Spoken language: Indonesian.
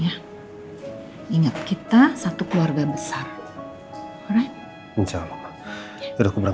ya rasa benci kamu ke elsa itu kamu harus silangin pelan pelan